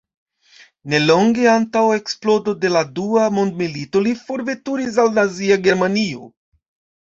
Nelonge antaŭ eksplodo de la Dua mondmilito li forveturis al Nazia Germanio.